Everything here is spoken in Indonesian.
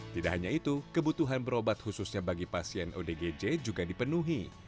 tidak hanya itu kebutuhan berobat khususnya bagi pasien odgj juga dipenuhi